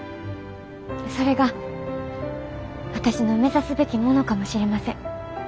それが私の目指すべきものかもしれません。